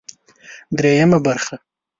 درېيمه برخه